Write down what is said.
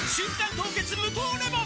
凍結無糖レモン」